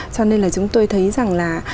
cho nên là chúng tôi thấy rằng là